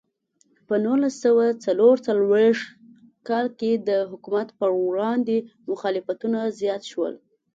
په نولس سوه څلور څلوېښت کال کې د حکومت پر وړاندې مخالفتونه زیات شول.